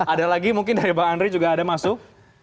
ada lagi mungkin dari bang andri juga ada masuk